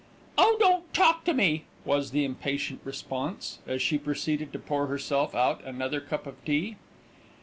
"Oh! don't talk to me," was the impatient response, as she proceeded to pour herself out another cup of tea.